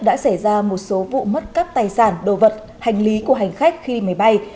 đã xảy ra một số vụ mất cắp tài sản đồ vật hành lý của hành khách khi máy bay